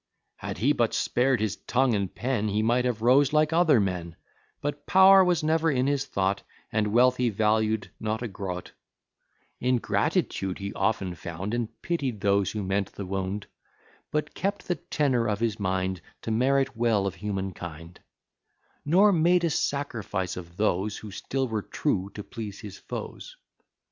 "Had he but spared his tongue and pen He might have rose like other men: But power was never in his thought, And wealth he valued not a groat: Ingratitude he often found, And pitied those who meant the wound: But kept the tenor of his mind, To merit well of human kind: Nor made a sacrifice of those Who still were true, to please his foes.